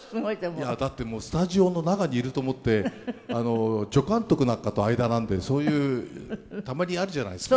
いやだってもうスタジオの中にいると思って助監督なんかと間なんでそういうたまにあるじゃないですか。